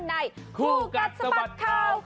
คู่กัดสะบัดข่าว